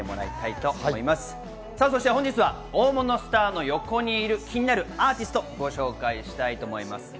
そして本日は大物スターの横にいる気になるアーティストをご紹介したいと思います。